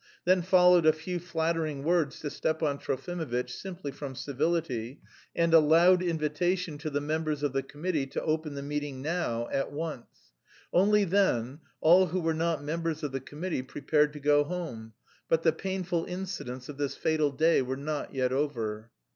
Then followed a few flattering words to Stepan Trofimovitch simply from civility, and a loud invitation to the members of the committee to open the meeting now, at once. Only then, all who were not members of the committee prepared to go home; but the painful incidents of this fatal day were not yet over.